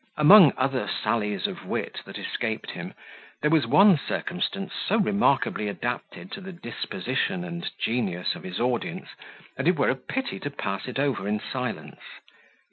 Among other sallies of wit that escaped him, there was one circumstance so remarkably adapted to the disposition and genius of his audience, that it were a pity to pass it over in silence.